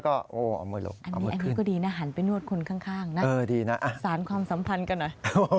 อันนี้ก็ดีนะหันไปนวดคนข้างนะสารความสัมพันธ์กันหน่อย